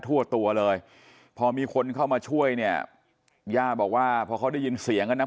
ทั่วตัวเลยพอมีคนเข้ามาช่วยเนี่ยย่าบอกว่าพอเขาได้ยินเสียงกันนะ